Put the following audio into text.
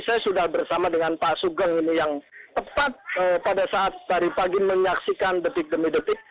saya sudah bersama dengan pak sugeng ini yang tepat pada saat tadi pagi menyaksikan detik demi detik